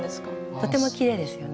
とてもきれいですよね。